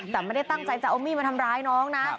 แต่ไม่ได้ตั้งใจจะเอามีดมาทำร้ายน้องนะ